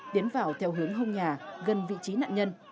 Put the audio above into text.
tiến vào theo hướng hông nhà gần vị trí nạn nhân